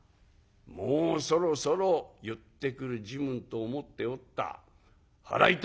「もうそろそろ言ってくる時分と思っておった。